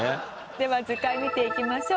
では図解見ていきましょう。